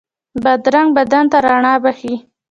بادرنګ بدن ته رڼا بښي.